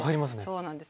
そうなんです。